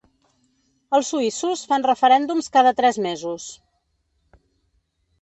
Els suïssos fan referèndums cada tres mesos.